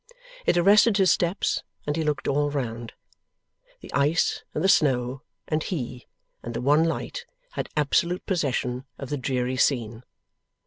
It arrested his steps, and he looked all around. The ice, and the snow, and he, and the one light, had absolute possession of the dreary scene.